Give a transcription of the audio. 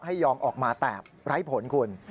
ยอมออกมาแต่ไร้ผลคุณ